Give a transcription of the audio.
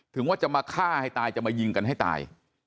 ว่าจะมาฆ่าให้ตายจะมายิงกันให้ตาย